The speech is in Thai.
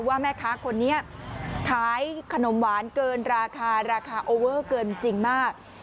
ว่าแม่ค้าคนนี้ขายขนมหวานเกินราคาราคาโอเวอร์เกินจริงมาก